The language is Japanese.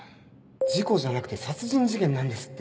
事故じゃなくて殺人事件なんですって！